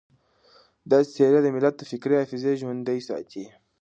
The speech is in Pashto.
داسې څېرې د ملت فکري حافظه ژوندۍ ساتي.